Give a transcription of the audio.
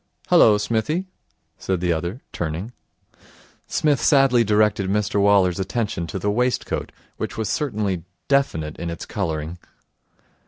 'Hullo, Smithy?' said the other, turning. Psmith sadly directed Mr Waller's attention to the waistcoat, which was certainly definite in its colouring.